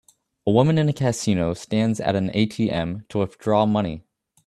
A woman in a casino stands at an ATM to withdraw money